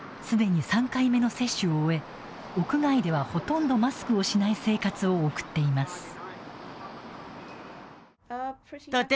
すでに３回目の接種を終え屋外ではほとんどマスクをしない生活を送っています。